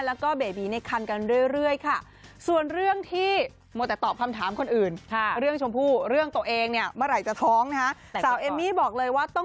แล้วก็เบบีในคันกันเรื่อยค่ะ